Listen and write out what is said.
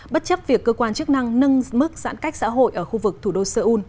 bất chấp việc cơ quan chức năng nâng mức giãn cách xã hội ở khu vực thủ đô seoul